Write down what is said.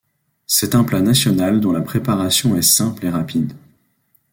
C’est un plat national dont la préparation est simple et rapide.